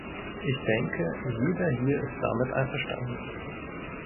Ich denke, jeder hier ist damit einverstanden.